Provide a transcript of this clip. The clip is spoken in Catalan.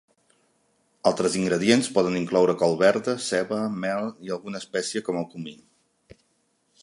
Altres ingredients poden incloure col verda, ceba, mel i alguna espècie com el comí.